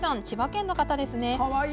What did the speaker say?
千葉県の方ですね。